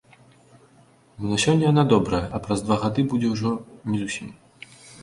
Бо на сёння яна добрая, а праз два гады будзе ужо не зусім.